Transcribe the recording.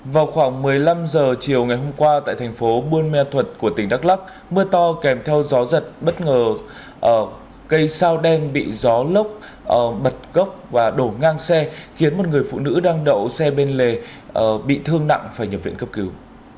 vào khoảng một mươi năm h chiều ngày hôm qua tại thành phố buôn ma thuật của tỉnh đắk lắc mưa to kèm theo gió giật bất ngờ cây sao đen bị gió lốc bật gốc và đổ ngang xe khiến một người phụ nữ đang đậu xe bên lề bị thương nặng phải nhập viện cấp cứu